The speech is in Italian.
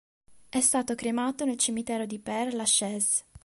È stato cremato nel cimitero di Père-Lachaise.